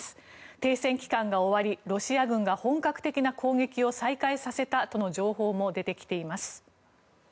停戦期間が終わり、ロシア軍が本格的な攻撃を再開させたとの情報も出てきています。